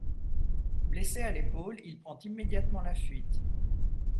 Blessé à l'épaule, il prend immédiatement la fuite.